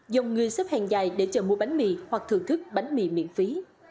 dòng người xếp hàng dài để chờ mua bánh mì hoặc thưởng thức bánh mì miễn phí